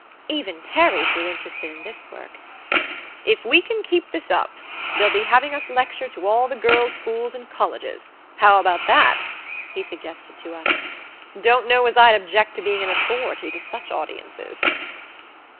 Even Terry grew interested in this work. "If we can keep this up, they'll be having us lecture to all the girls' schools and colleges how about that?" he suggested to us. "Don't know as I'd object to being an Authority to such audiences."